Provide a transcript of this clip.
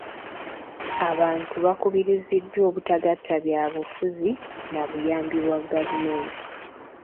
Abantu bakubirizibwa obutagatta byabufuzi na buyambi bwa gavumenti.